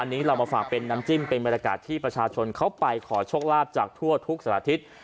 อันนี้เรามาฝากเป็นน้ำจิ้มเป็นบรรยากาศที่ประชาชนเขาไปขอโชคลาภจากทั่วทุกสัตว์ทิตย์